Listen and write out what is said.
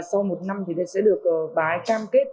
sau một năm thì sẽ được bái cam kết